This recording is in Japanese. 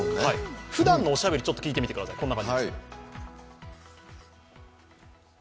ふだんのおしゃべりを聞いてみてください。